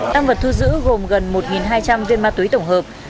tăng vật thu giữ gồm gần một hai trăm linh viên ma túy tổng hợp